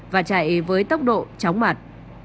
và chạy với tốc độ chóng mặt